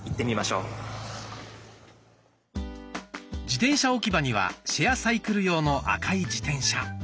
自転車置き場にはシェアサイクル用の赤い自転車。